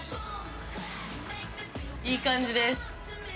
いい感じです。